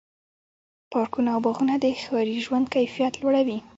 پارکونه او باغونه د ښاري ژوند کیفیت لوړوي.